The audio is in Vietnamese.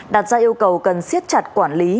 đặt ra yêu cầu cần siết chặt quản lý